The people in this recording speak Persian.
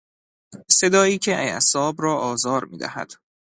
صدایی که اعصاب را آزار میدهد